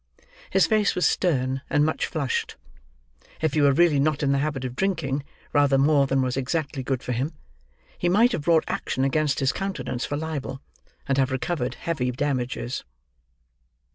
His face was stern, and much flushed. If he were really not in the habit of drinking rather more than was exactly good for him, he might have brought action against his countenance for libel, and have recovered heavy damages.